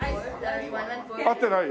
合ってない？